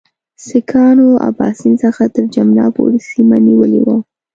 سیکهانو اباسین څخه تر جمنا پورې سیمه نیولې وه.